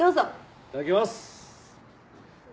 いただきます。